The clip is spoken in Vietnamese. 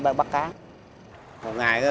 hồi hôm nay thì bây giờ